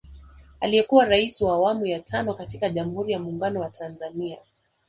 Aliyekuwa Rais wa awamu ya tano katika Jamuhuri ya Munguno wa Tanzania